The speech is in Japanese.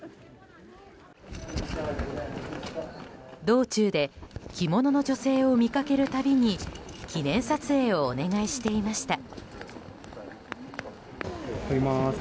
道中で着物女性を見かける度に記念撮影をお願いしていました。